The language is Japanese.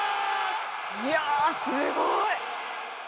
いやすごい！